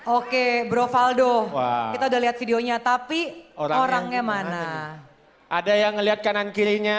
oke bro valdo kita udah lihat videonya tapi orangnya mana ada yang ngeliat kanan kirinya